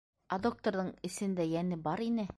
Ә докторҙың эсендә йәне бар ине.